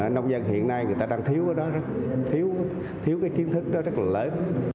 nông dân hiện nay người ta đang thiếu cái đó thiếu cái kiến thức đó rất là lớn